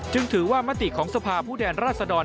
จึงถือว่ามติของสภาผู้แทนราชดร